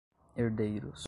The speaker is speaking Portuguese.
herdeiros